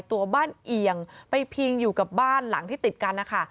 ตัวบ้านเอียงไปพิงอยู่กับบ้านหลังที่ติดกันนะคะ